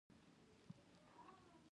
ژمی د واورې موسم دی